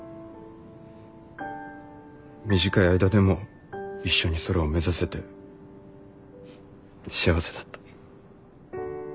短い間でも一緒に空を目指せて幸せだった。